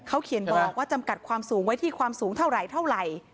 เขาเขียนบอกว่าจำกัดความสูงไว้ที่ความสูงเท่าไหร่เท่าไหร่